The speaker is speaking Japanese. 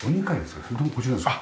それともこちらですか？